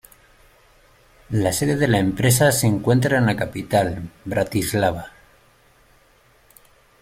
La sede de la empresa se encuentra en la capital, Bratislava.